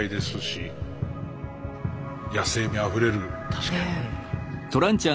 確かに。